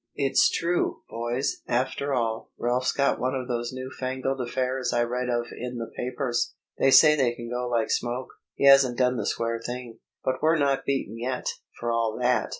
"It's true, boys, after all; Ralph's got one of those new fangled affairs I read of in the papers. They say they can go like smoke. He hasn't done the square thing. But we're not beaten yet, for all that!"